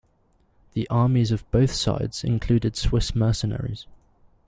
The armies of both sides included Swiss mercenaries.